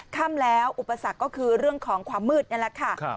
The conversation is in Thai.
ค่ำแล้วอุปสรรคก็คือเรื่องของความมืดนี่แหละค่ะ